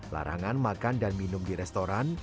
larangan makan dan minum di restoran